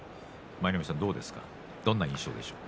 舞の海さん、どうですか。